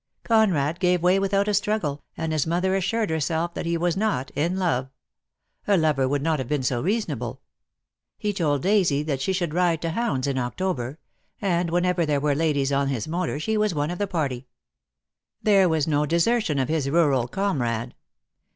Conrad gave way without a struggle; and his mother assured herself that he was not in love. A lover would not have been so reasonable. He told 134 DEAD LOVE HAS CHAINS. Daisy that she should ride to hounds in October; and whenever there were ladies on his motor she was one of the party. There was no desertion of his rural comrade.